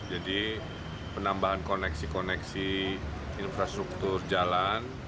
jadi penambahan koneksi koneksi infrastruktur jalan